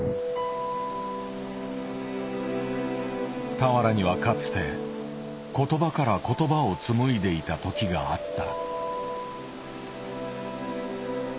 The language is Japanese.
俵にはかつて言葉から言葉をつむいでいた時があった。